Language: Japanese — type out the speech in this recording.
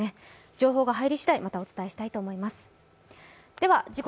情報が入りしだい、またお伝えしたいと思います。